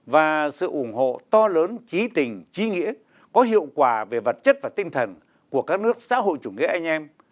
và sự ủng hộ to lớn trí tình trí nghĩa có hiệu quả về vật chất và tinh thần của các nước xã hội chủ nghĩa anh em